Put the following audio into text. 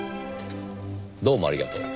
どうもありがとう。